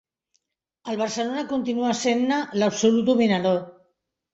El Barcelona continuà essent-ne l'absolut dominador.